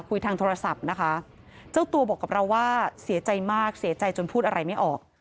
คุยทางโทรศัพท์นะคะเจ้าตัวบอกกับเราว่าเสียใจมากเสียใจจนพูดอะไรไม่ออก